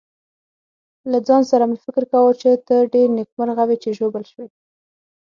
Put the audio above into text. له ځان سره مې فکر کاوه چې ته ډېر نېکمرغه وې چې ژوبل شوې.